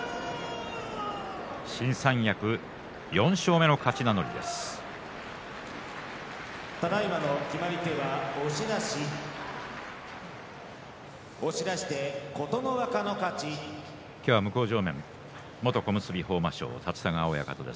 新三役４勝目の勝ち名乗り琴ノ若です。